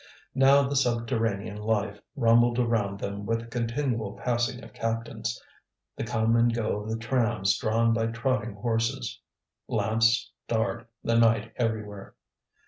Now the subterranean life rumbled around them with a continual passing of captains, the come and go of the trams drawn by trotting horses. Lamps starred the night everywhere.